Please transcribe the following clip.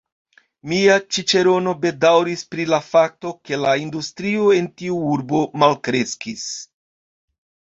Mia ĉiĉerono bedaŭris pri la fakto, ke la industrio en tiu urbo malkreskis.